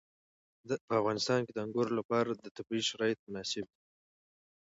په افغانستان کې د انګورو لپاره طبیعي شرایط مناسب دي.